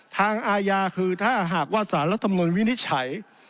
อาญาคือถ้าหากว่าสารรัฐมนุนวินิจฉัย